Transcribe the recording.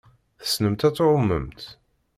Tessnemt ad tɛummemt?